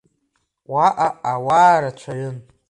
Уаҟа ауаа рацәаҩын.